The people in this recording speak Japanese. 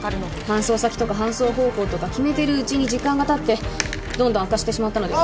搬送先とか搬送方法とか決めてるうちに時間がたってどんどん悪化してしまったのでは？